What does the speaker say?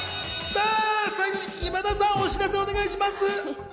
最後、今田さん、お知らせお願いします。